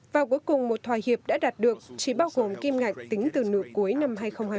và cuối cùng một thòa hiệp đã đạt được chỉ bao gồm kim ngạch tính từ nửa cuối năm hai nghìn hai mươi